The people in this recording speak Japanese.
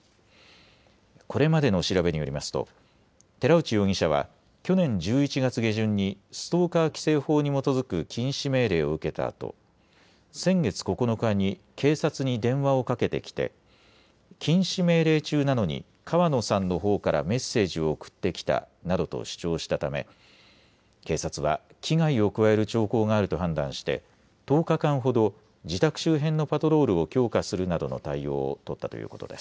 これまでの調べによりますと寺内容疑者は去年１１月下旬にストーカー規制法に基づく禁止命令を受けたあと、先月９日に警察に電話をかけてきて禁止命令中なのに川野さんのほうからメッセージを送ってきたなどと主張したため警察は危害を加える兆候があると判断して１０日間ほど自宅周辺のパトロールを強化するなどの対応を取ったということです。